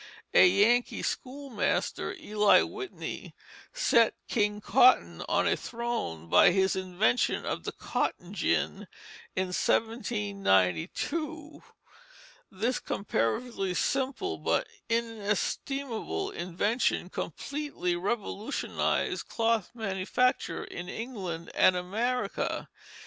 A Yankee schoolmaster, Eli Whitney, set King Cotton on a throne by his invention of the cotton gin in 1792. This comparatively simple but inestimable invention completely revolutionized cloth manufacture in England and America.